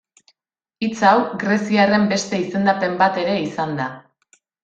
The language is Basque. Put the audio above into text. Hitz hau, greziarren beste izendapen bat ere izan da.